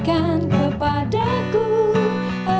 kamu mengambil bruce wilde di sana